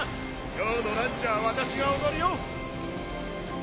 今日のランチは私がおごるよ！